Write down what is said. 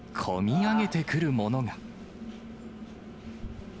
込み上げてくるものが。